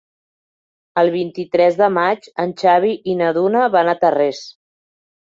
El vint-i-tres de maig en Xavi i na Duna van a Tarrés.